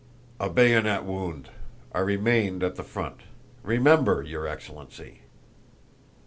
"A bayonet wound. I remained at the front. Remember, your excellency!"